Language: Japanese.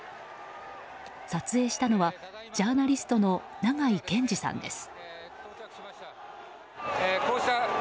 撮影したのは、ジャーナリストの長井健司さんです。